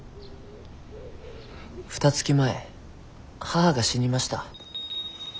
ふた月前母が死にました。